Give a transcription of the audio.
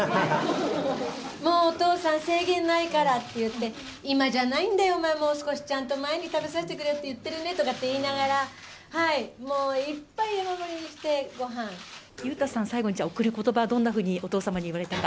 もう、お父さん、制限ないからって言って、今じゃないんだよ、お前、もう少しちゃんと前に食べさせてくれよとかって言ってるねとかって言いながら、はい、もう、裕太さん、最後に贈ることば、どんなふうにお父様に言われたか。